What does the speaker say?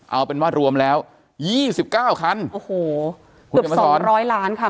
เอาเป็นว่ารวมแล้ว๒๙คันโอ้โหเกือบ๒๐๐ล้านค่ะ